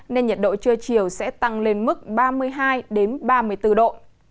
nên nhiệt độ trưa chiều sẽ tăng lên mức ba mươi hai ba mươi bốn độ